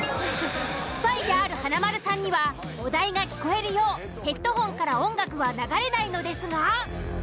スパイである華丸さんにはお題が聞こえるようヘッドホンから音楽は流れないのですが。